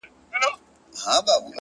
هره لاسته راوړنه له باور زېږي,